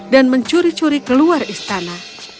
dan mencuri curi ke luar istana